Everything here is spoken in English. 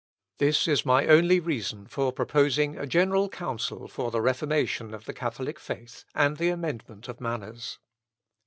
This is my only reason for proposing a General Council for the Reformation of the Catholic faith, and the amendment of manners."